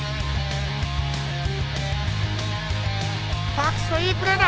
パークスのいいプレーだ。